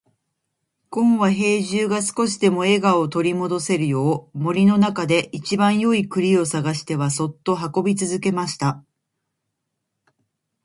ごんは兵十が少しでも笑顔を取り戻せるよう、森の中で一番よい栗を探してはそっと運び続けました。